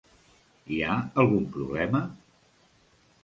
Hi ha algun problema?